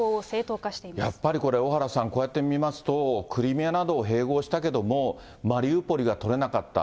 やっぱりこれ、小原さん、こうやって見ますと、クリミアなどを併合したけれども、マリウポリが取れなかった。